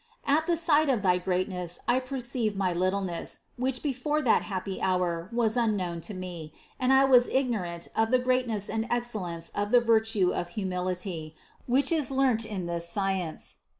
At the sight of thy greatness I perceive my littleness, which before that happy hour was unknown to me; and I was ignorant of THE CONCEPTION 61 the greatness and excellence of the virtue of humility, which is learnt in this science.